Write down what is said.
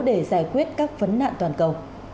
để giải quyết các vấn nạn toàn cầu